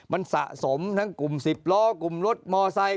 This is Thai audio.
มันสะสมทั้งกลุ่ม๑๐ล้อกลุ่มรถมอไซค